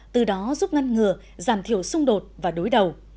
từ đó giúp ngăn ngừa giảm thiểu xung đột và đối đầu